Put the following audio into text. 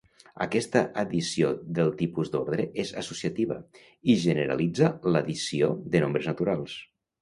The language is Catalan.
Aquesta addició dels tipus d'ordre és associativa i generalitza l'addició de nombres naturals.